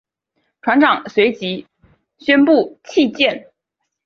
船长随即宣布弃舰。